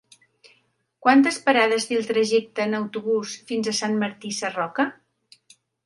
Quantes parades té el trajecte en autobús fins a Sant Martí Sarroca?